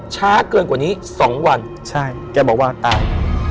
ช้าเกินกว่านี้๒วันแกบอกว่าตาย